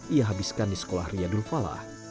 ia habiskan di sekolah riyadul falah